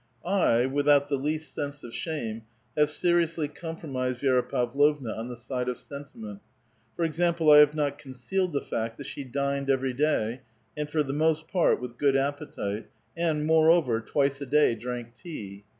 I, without the least sense of shame, have seriously com promised Vi^ra Pavlovna on the side of sentiment. For example, I have not concealed the fact that she dined eveiy day, and for the most part with good appetite, and, more over, twice a dav drank tea.